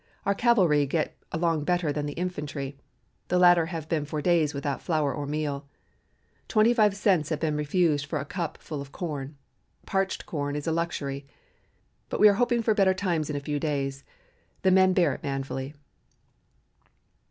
Our cavalry get along better than the infantry; the latter have been for days without flour or meal. Twenty five cents have been refused for a cup full of corn. Parched corn is a luxury. But we are hoping for better times in a few days. The men bear it manfully."